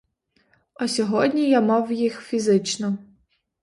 А сьогодні я мав їх фізично.